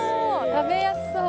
食べやすそう」